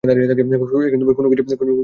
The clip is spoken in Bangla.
কোন কিছু দিয়েছে?